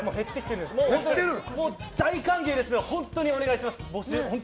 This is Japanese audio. もう大歓迎ですので本当にお願いします。